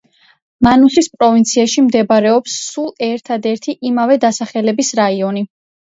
მანუსის პროვინციაში მდებარეობს სულ ერთადერთი იმავე დასახელების რაიონი.